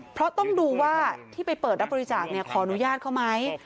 เพราะต้องดูว่าที่ไปเปิดรับบริจาคขออนุญาตเขาไหม